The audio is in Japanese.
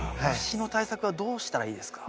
虫の対策はどうしたらいいですか？